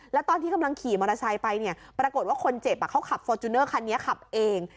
แล้วตอนที่กำลังขี่มอเตอร์ไซค์ไปเนี่ยปรากฏว่าคนเจ็บเขาขับฟอร์จูเนอร์คันนี้ขับเอง